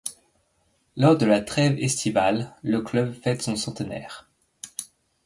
Lors de la trêve estivale, le club fête son centenaire.